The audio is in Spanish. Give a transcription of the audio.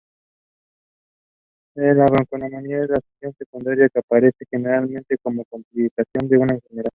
La bronconeumonía es una lesión secundaria que aparece generalmente como complicación de una enfermedad.